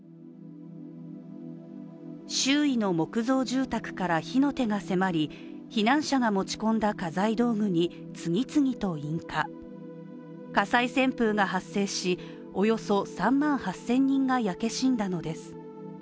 周囲の木造住宅から火の手が迫り、避難者が持ち込んだ家財道具に次々と引火、火災旋風が発生しおよそ３万８０００人が焼け死んだのです。